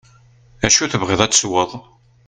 Acu tebɣiḍ ad tesweḍ.